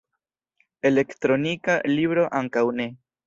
Elektronika libro ankaŭ ne.